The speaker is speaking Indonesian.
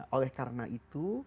oleh karena itu